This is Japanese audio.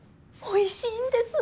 おいしいんです！